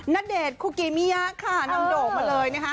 ณเดชน์คุกิเมียนำโด่งมาเลย